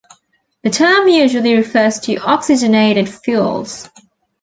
The term usually refers to oxygenated fuels.